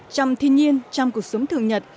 trong thiên nhiên trong cuộc sống thường nhật